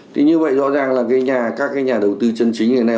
thì như vậy rõ ràng là các cái nhà đầu tư chân chính ngày nay